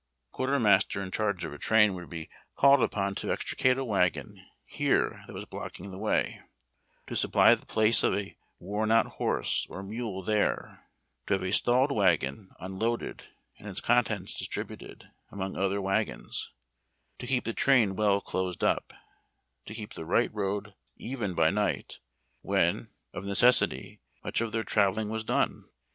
TJie quartermaster in charge of a train would be called upon to extricate a wagon here that was blocking tlie Avay, to supply the place of a worn out horse or mule there ; to have a stalled wag on un loaded and its contents distributed among other wagons ; to keep the train well closed up ; to keep the right road even by night, when, of necessity, much of their travelling was done.